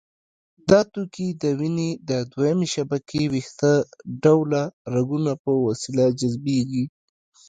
دا توکي د وینې د دویمې شبکې ویښته ډوله رګونو په وسیله جذبېږي.